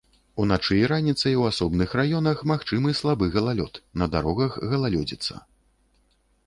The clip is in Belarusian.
Уначы і раніцай у асобных раёнах магчымы слабы галалёд, на дарогах галалёдзіца.